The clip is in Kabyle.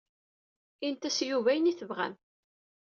Init-as i Yuba ayen i tebɣam.